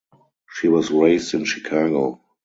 She was raised in Chicago.